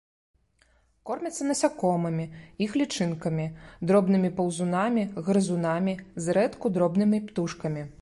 Кормяцца насякомымі, іх лічынкамі, дробнымі паўзунамі, грызунамі, зрэдку дробнымі птушкамі.